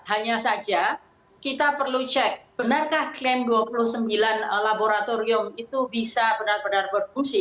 hanya saja kita perlu cek benarkah klaim dua puluh sembilan laboratorium itu bisa benar benar berfungsi